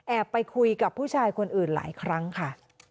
ไปคุยกับผู้ชายคนอื่นหลายครั้งค่ะ